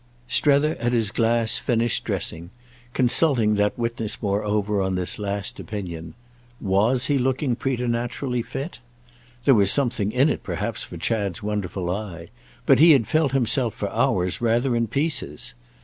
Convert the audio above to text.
Strether, at his glass, finished dressing; consulting that witness moreover on this last opinion. Was he looking preternaturally fit? There was something in it perhaps for Chad's wonderful eye, but he had felt himself for hours rather in pieces.